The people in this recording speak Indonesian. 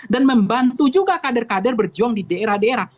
dan membantu juga kader kader berjuang di daerah daerah